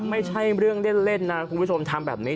ไม่ใช่เรื่องเล่นนะคุณผู้ชมทำแบบนี้